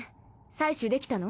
採取できたの？